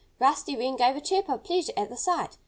Rusty Wren gave a chirp of pleasure at the sight.